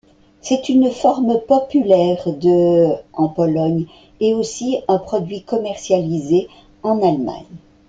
C'est une forme populaire de en Pologne, et aussi un produit commercialisé en Allemagne.